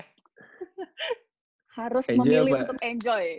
harus memilih untuk enjoy